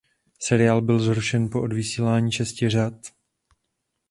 Seriál byl zrušen po odvysílání šesti řad.